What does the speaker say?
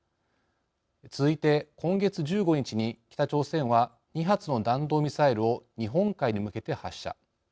続いて、今月１５日に北朝鮮は２発の弾道ミサイルを日本海に向けて発射。